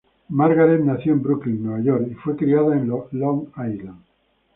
Margaret nació en Brooklyn, Nueva York, y fue criada en Long Island.